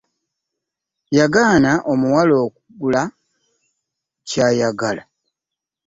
Yagaana omuwala okugula ky'ayagala .